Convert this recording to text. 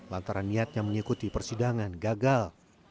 lantaran niatnya mengikuti persidangan gagal